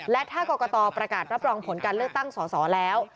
และถ้ากรกตประกาศรับรองผลการเลือกตั้งสอสอแล้ว